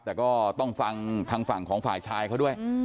แต่ก็ต้องฟังทางฝั่งของฝ่ายชายเขาด้วย